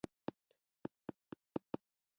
محصلین به د قابله ګۍ په برخه کې معلومات ترلاسه کړي.